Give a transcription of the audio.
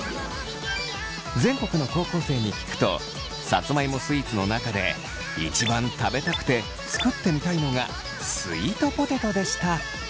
全国の高校生に聞くとさつまいもスイーツの中で一番食べたくて作ってみたいのがスイートポテトでした。